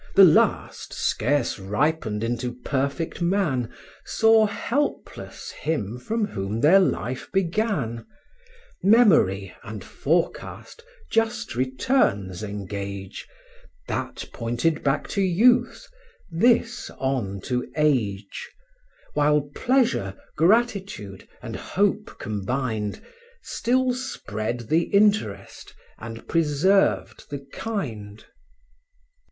The last, scarce ripened into perfect man, Saw helpless him from whom their life began: Memory and forecast just returns engage, That pointed back to youth, this on to age; While pleasure, gratitude, and hope combined, Still spread the interest, and preserved the kind.